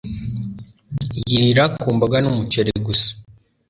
Yirira ku mboga n'umuceri gusa.